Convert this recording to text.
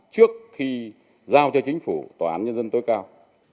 trước khi giao cho chính phủ tòa án nhân dân tối cao